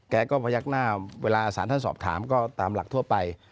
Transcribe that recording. แกก็พยักหน้าเวลาสารท่านสอบถามก็ตามหลักทั่วไป